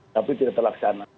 tapi tidak terlaksana